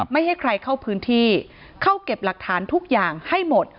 ไม่ให้ใครเข้าพื้นที่เข้าเก็บหลักฐานทุกอย่างให้หมด